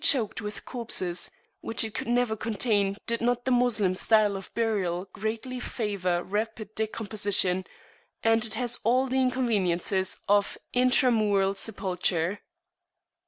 It must be choked with corpses, which it could never contain did not the Moslem style of burial greatly favour rapid decomposition; and it has all the inconveniences of intramural sepulture.